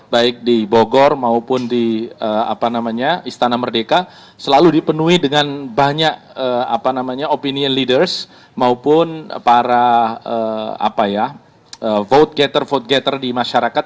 baik di bogor maupun di istana merdeka selalu dipenuhi dengan banyak opinion leaders maupun para vote getter vote getter di masyarakat